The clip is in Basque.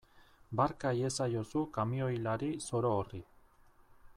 Barka iezaiozu kamioilari zoro horri.